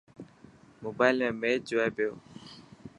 موبائل ۾ ميچ جوئي پيو.